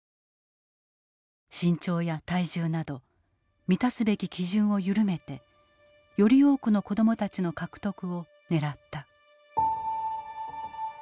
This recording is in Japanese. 身長や体重など満たすべき基準を緩めてより多くの子供たちの獲得をねらった。